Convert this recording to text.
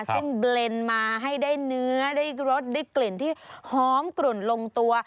ซึ่งเบลนมาให้ได้เนื้อได้รสได้กลิ่นที่หอมกลุ่นลงตัว